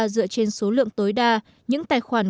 dựa trên số lượng tối đa những tài khoản